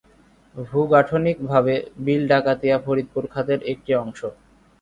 ভূ-গাঠনিকভাবে বিল ডাকাতিয়া ফরিদপুর খাতের একটি অংশ।